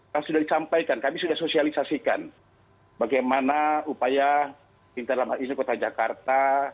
kita sudah dicampaikan kami sudah sosialisasikan bagaimana upaya interlambat ini kota jakarta